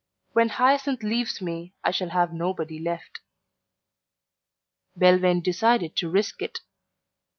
When Hyacinth leaves me I shall have nobody left." Belvane decided to risk it.